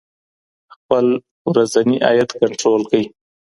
خپل ورځنې عاید کنټرول کړی.